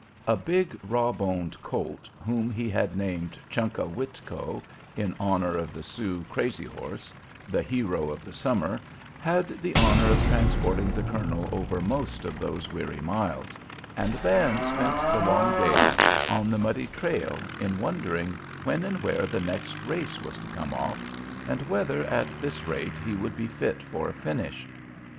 A big, raw boned colt, whom he had named "Chunka Witko," in honor of the Sioux "Crazy Horse," the hero of the summer, had the honor of transporting the colonel over most of those weary miles, and Van spent the long days on the muddy trail in wondering when and where the next race was to come off, and whether at this rate he would be fit for a finish.